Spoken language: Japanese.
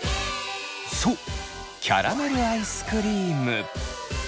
そうキャラメルアイスクリーム。